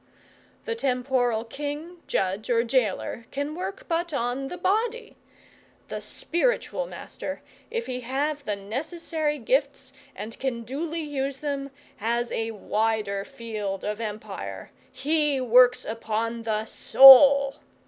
The temporal king, judge, or gaoler, can work but on the body. The spiritual master, if he have the necessary gifts, and can duly use them, has a wider field of empire. He works upon the soul.